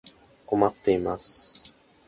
困っています。